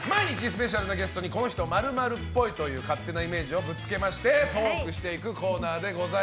毎日スペシャルなゲストにこの人○○っぽいという勝手なイメージをぶつけましてトークしていくコーナーです。